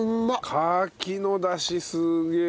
カキのダシすげえ。